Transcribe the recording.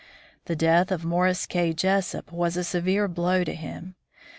The death of Morris K. Jesup was a severe blow to him.